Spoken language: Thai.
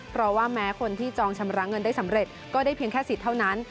เพราะว่าแม้คนที่จองชำระเงินได้สำเร็จก็ได้เพียงแค่สิทธิ์เท่านั้น